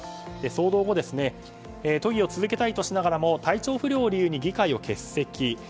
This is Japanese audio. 騒動後都議を続けたいとしながらも体調不良を理由に議会を欠席。